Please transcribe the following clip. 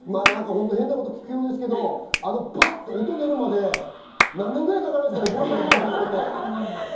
変なことを聞くようですけど、バッて音が出るまで、何年ぐらいかかりますかね？